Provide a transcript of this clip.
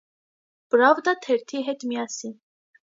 «Պրավդա» թերթի հետ միասին։